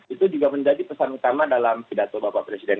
itu juga menjadi pesan utama dalam pidato bapak presiden